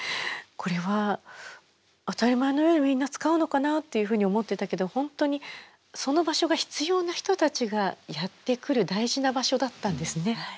これは当たり前のようにみんな使うのかなっていうふうに思ってたけど本当にその場所が必要な人たちがやって来る大事な場所だったんですね。